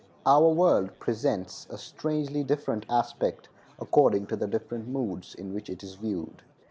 Our world presents a strangely different aspect according to the different moods in which it is viewed.